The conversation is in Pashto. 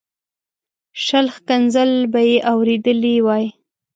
شل ښکنځل به یې اورېدلي وای.